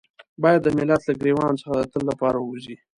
بايد د ملت له ګرېوان څخه د تل لپاره ووځي.